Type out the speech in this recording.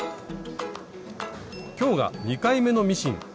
今日が２回目のミシン。